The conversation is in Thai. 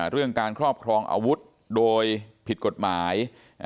เรื่องการครอบครองอาวุธโดยผิดกฎหมาย